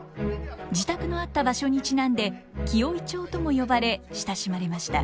自宅のあった場所にちなんで「紀尾井町」とも呼ばれ親しまれました。